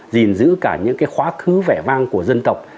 gìn giữ cả những cái khóa thứ vẻ vang của dân tộc